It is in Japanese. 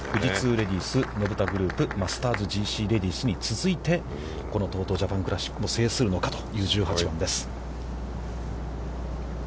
レディース、ＮＯＢＵＴＡＧＲＯＵＰマスターズＧＣレディースに続いて、ＴＯＴＯジャパンクラシックも制するのかという１８番です。